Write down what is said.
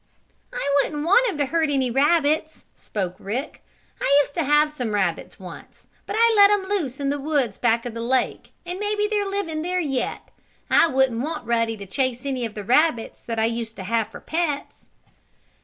"I wouldn't want him to hurt any rabbits," spoke Rick. "I used to have some rabbits, once, but I let 'em loose in the woods back of the lake, and maybe they're living there yet. I wouldn't want Ruddy to chase any of the rabbits that I used to have for pets."